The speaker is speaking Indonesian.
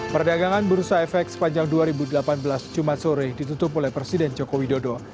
perdagangan bursa efek sepanjang dua ribu delapan belas jumat sore ditutup oleh presiden joko widodo